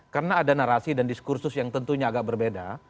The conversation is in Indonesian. karena ada narasi dan diskursus yang tentunya agak berbeda